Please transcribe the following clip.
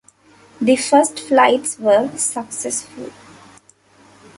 The first flights were successful.